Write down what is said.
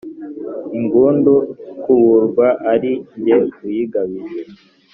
Ingundu ikuburwa ali jye uyigabije